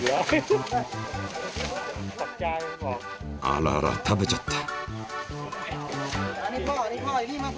あらら食べちゃった。